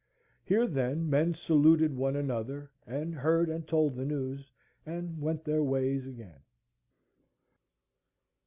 Here then men saluted one another, and heard and told the news, and went their ways again.